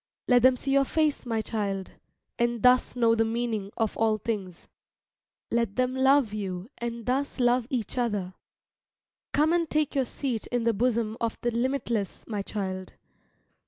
Let them see your face, my child, and thus know the meaning of all things; let them love you and thus love each other. Come and take your seat in the bosom of the limitless, my child.